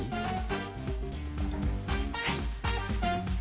はい。